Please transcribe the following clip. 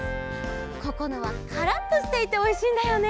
ここのはカラッとしていておいしいんだよね。